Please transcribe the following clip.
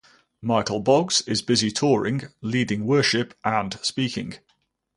Michael Boggs is busy touring, leading worship, and speaking.